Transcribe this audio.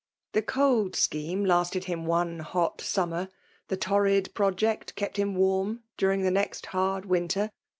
The cold scheme lasted him one lnll summer ; the torrid project kept him: votasBi during the next hard winter.